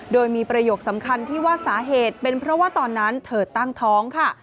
โดยมีประโยคสำคัญที่ว่าสาเหตุเป็นเพราะว่าตอนนั้นเธอตั้งท้องค่ะ